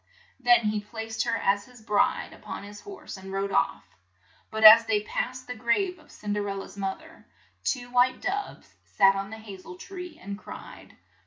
Then he placed her as his bride up on his horse, and rode off. But as they passed the grave of Cin der el la's moth er, two white doves sat on the ha zel tree, and cried.